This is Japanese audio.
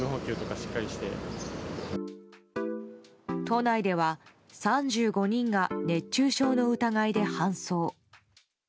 都内では３５人が熱中症の疑いで搬送。